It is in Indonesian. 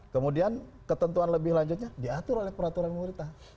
kemudian ketentuan lebih lanjutnya diatur oleh peraturan pemerintah